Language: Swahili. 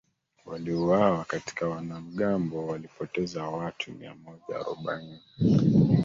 waliouawa wakati wanamgambo walipoteza watu miamoja arobaini